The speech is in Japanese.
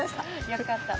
よかったら。